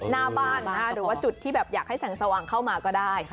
หน้าบ้านหรือว่าจุดที่แบบอยากให้แสงสว่างเข้ามาก็ได้